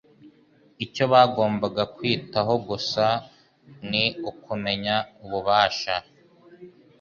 icyo bagombaga kwitaho gusa ni ukumenya ububasha